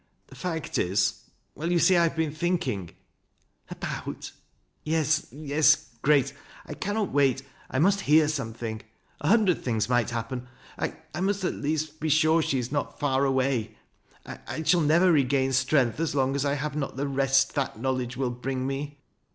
" The fact is — well y ^a see I have been thinking." '•' About— » "Tes — ^yes — Grace, I cannot wait — I must hear some thing. A hundred things might happen. I must at least be sure she is not far away. I shall never regain strength as long as I have not the rest that knowledge will bring me.